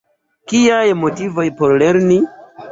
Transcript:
Kiaj motivoj por lerni?